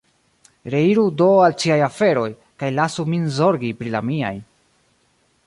Reiru do al ciaj aferoj, kaj lasu min zorgi pri la miaj.